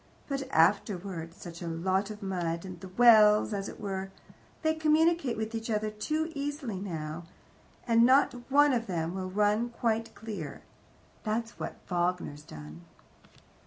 But afterwards such a lot of mud; and the wells as it were, they communicate with each other too easily now, and not one of them will run quite clear. That's what Wagner's done."